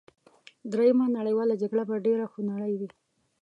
دریمه نړیواله جګړه به ډېره خونړۍ وي